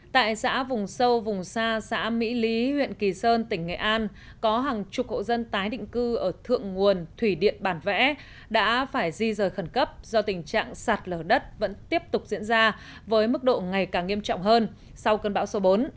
tại xã vùng sâu vùng xa xã mỹ lý huyện kỳ sơn tỉnh nghệ an có hàng chục hộ dân tái định cư ở thượng nguồn thủy điện bản vẽ đã phải di rời khẩn cấp do tình trạng sạt lở đất vẫn tiếp tục diễn ra với mức độ ngày càng nghiêm trọng hơn sau cơn bão số bốn